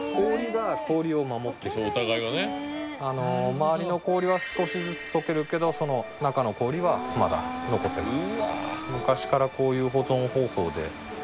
周りの氷は少しずつ溶けるけどその中の氷はまだ残ってます。